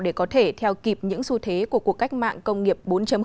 để có thể theo kịp những xu thế của cuộc cách mạng công nghiệp bốn